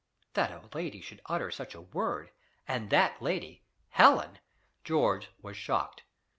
That a lady should utter such a word! and that lady, Helen! George was shocked.